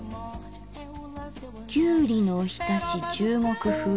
きゅうりのおひたし中国風。